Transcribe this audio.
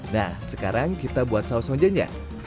nah sekarang kita buat saus monjenya